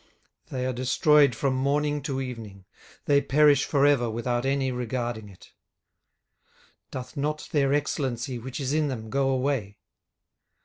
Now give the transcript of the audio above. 18:004:020 They are destroyed from morning to evening: they perish for ever without any regarding it. 18:004:021 Doth not their excellency which is in them go away?